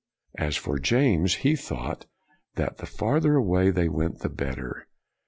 As for James he thought that the farther away they went, the better.